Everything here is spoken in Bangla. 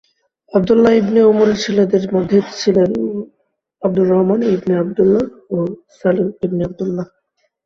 আবদুল্লাহ ইবনে উমরের ছেলেদের মধ্যে ছিলেন আবদুর রহমান ইবনে আবদুল্লাহ ও সালিম ইবনে আবদুল্লাহ।